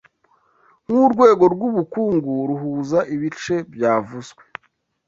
nkurwego rwubukungu ruhuza ibice byavuzwe